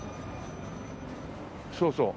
そうそう。